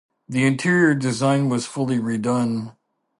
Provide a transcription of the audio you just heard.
The interior design was fully re-done.